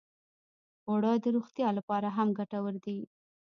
اوړه د روغتیا لپاره هم ګټور دي